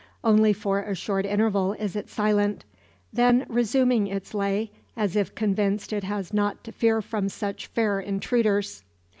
Only for a short interval is it silent; then resuming its lay, as if convinced it has nought to fear from such fair intruders.